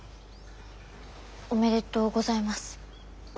おめでとうございます。